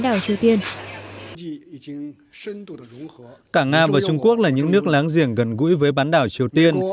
đảo triều tiên v v cả nga và trung quốc là những nước láng giềng gần gũi với bán đảo triều tiên